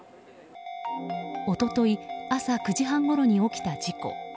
一昨日朝９時半ごろに起きた事故。